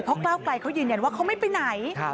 เพราะเก้ากล่ายเขายืนแยนว่าเขาไม่ไปไหน